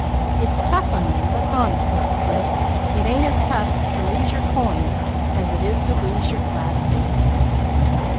It's tough on them, but honest, Mr. Bruce, it ain't as tough to lose your coin as it is to lose your glad face.